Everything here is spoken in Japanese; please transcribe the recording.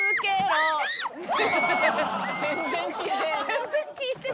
全然聞いてへん。